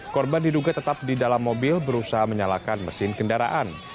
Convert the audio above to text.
korban diduga tetap di dalam mobil berusaha menyalakan mesin kendaraan